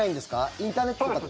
インターネットとか。